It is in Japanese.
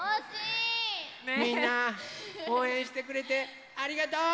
みんなおうえんしてくれてありがとう！